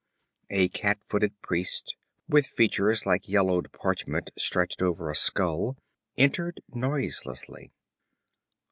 A cat footed priest, with features like yellowed parchment stretched over a skull, entered noiselessly.